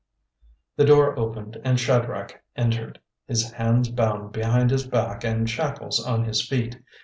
A door opened, and Shadrach entered, his hands bound behind his back and shackles on his feet.